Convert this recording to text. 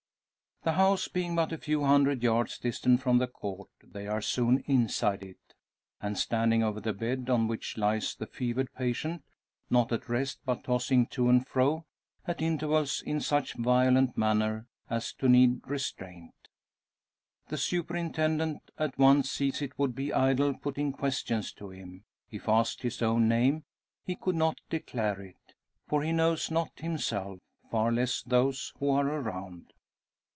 The house being but a few hundred yards distant from the Court, they are soon inside it, and standing over the bed on which lies the fevered patient; not at rest, but tossing to and fro at intervals, in such violent manner as to need restraint. The superintendent at once sees it would be idle putting questions to him. If asked his own name, he could not declare it. For he knows not himself far less those who are around.